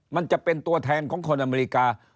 มันจะเป็นตัวแทนของคนอเมริกา